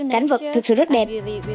cảnh vật thực sự rất đẹp